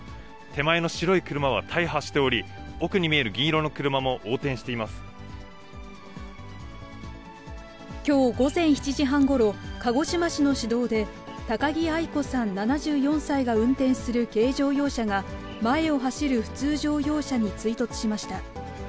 手前の白い車は大破しており、奥に見える銀色の車も横転していきょう午前７時半ごろ、鹿児島市の市道で、高城あい子さん７４歳が運転する軽乗用車が、前を走る普通乗用車に追突しました。